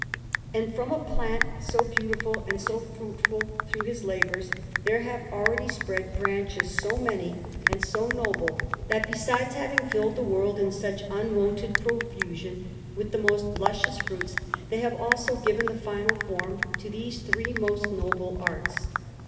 And from a plant so beautiful and so fruitful, through his labours, there have already spread branches so many and so noble, that, besides having filled the world in such unwonted profusion with the most luscious fruits, they have also given the final form to these three most noble arts.